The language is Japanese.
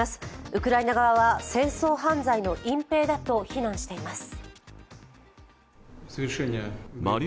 ウクライナ側は戦争犯罪の隠蔽だと非難しています。